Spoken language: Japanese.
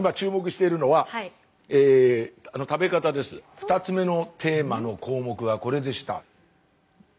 ２つ目のテーマの項目はこれでした。